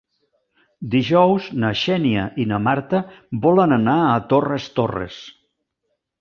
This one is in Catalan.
Dijous na Xènia i na Marta volen anar a Torres Torres.